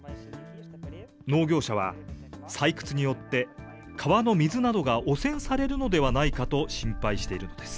農業者は採掘によって、川の水などが汚染されるのではないかと心配しているのです。